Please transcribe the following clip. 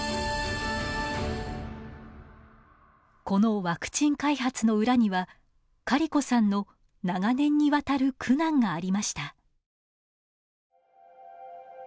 このワクチン開発の裏にはカリコさんの長年にわたる苦難がありました。